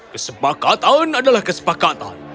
kesepakatan adalah kesepakatan